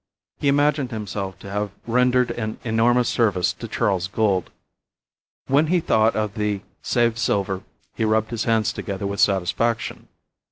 He imagined himself to have rendered an enormous service to Charles Gould. When he thought of the saved silver he rubbed his hands together with satisfaction.